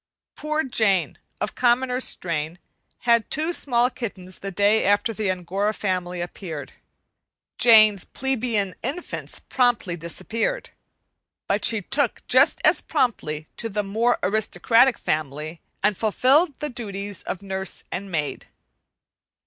Poor Jane, of commoner strain, had two small kittens the day after the Angora family appeared. Jane's plebeian infants promptly disappeared, but she took just as promptly to the more aristocratic family and fulfilled the duties of nurse and maid.